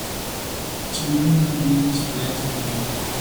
Children are being splashed with water.